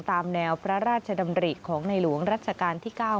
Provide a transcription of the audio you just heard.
ตามแนวพระราชดำริของในหลวงรัชกาลที่๙